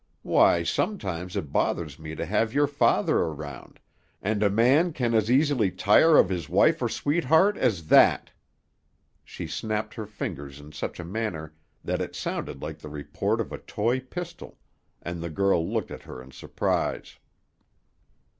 Why, sometimes it bothers me to have your father around, and a man can as easily tire of his wife or sweetheart as that!" She snapped her fingers in such a manner that it sounded like the report of a toy pistol, and the girl looked at her in surprise.